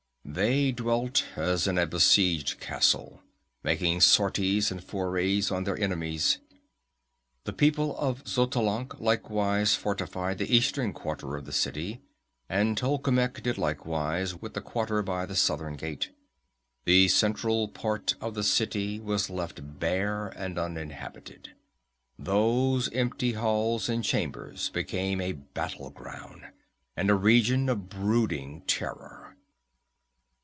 They dwelt as in a besieged castle, making sorties and forays on their enemies. "The people of Xotalanc likewise fortified the eastern quarter of the city, and Tolkemec did likewise with the quarter by the southern gate. The central part of the city was left bare and uninhabited. Those empty halls and chambers became a battleground, and a region of brooding terror.